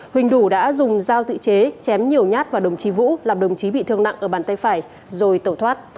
huỳnh đủ đã dùng dao tự chế chém nhiều nhát vào đồng chí vũ làm đồng chí bị thương nặng ở bàn tay phải rồi tẩu thoát